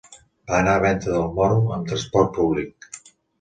Va anar a Venta del Moro amb transport públic.